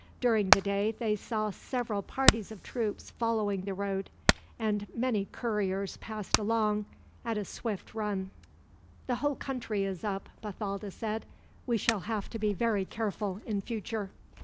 During the day they saw several parties of troops following the road; and many couriers passed along, at a swift run. "The whole country is up," Bathalda said. "We shall have to be very careful, in future."